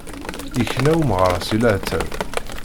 Yekna umɣar si leɛtab.